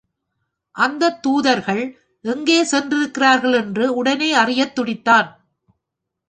அந்தத் தூதர்கள் எங்கே சென்றிருக்கிறார்கள் என்று உடனே அறியத் துடித்தான்.